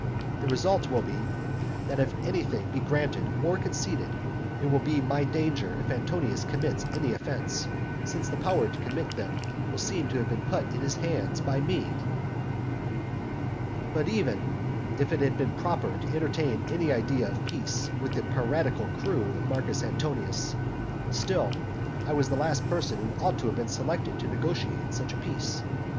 The result will be that if anything be granted or conceded, it will be my danger if Antonius commits any offences, since the power to commit them will seem to have been put in his hands by me. But even if it had been proper to entertain any idea of peace with the piratical crew of Marcus Antonius, still I was the last person who ought to have been selected to negotiate such a peace.